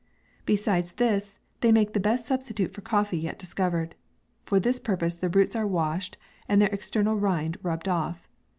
Besides this, they make the best substitute for coffee yet discovered. For this purpose the roots are washed, and their external rind rubbed off.